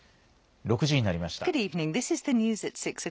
６時になりました。